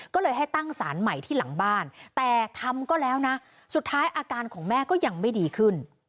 ก็เลยให้ตั้งสารใหม่ที่หลังบ้านแต่ทำก็แล้วนะสุดท้ายอาการของแม่ก็ยังไม่ดีขึ้น